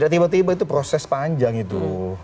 ya tiba tiba itu proses panjang itu